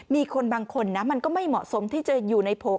มีคนบางคนนะมันก็ไม่เหมาะสมที่จะอยู่ในผม